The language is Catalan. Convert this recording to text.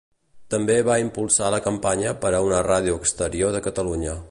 També va impulsar la campanya per a una Ràdio Exterior de Catalunya.